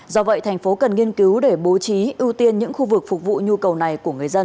do vậy thành phố cần nghiên cứu để bố trí ưu tiên những khu vực phục vụ nhu cầu này của người dân